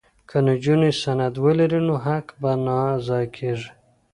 که نجونې سند ولري نو حق به نه ضایع کیږي.